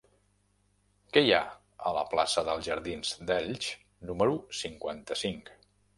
Què hi ha a la plaça dels Jardins d'Elx número cinquanta-cinc?